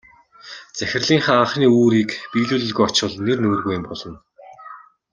Захирлынхаа анхны үүрийг биелүүлэлгүй очвол нэр нүүргүй юм болно.